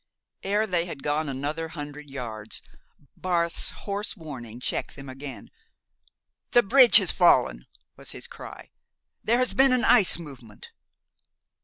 Ere they had gone another hundred yards, Barth's hoarse warning checked them again. "The bridge has fallen!" was his cry. "There has been an ice movement."